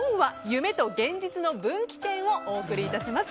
「夢と現実の分岐点」をお送りします。